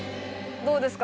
どうですか？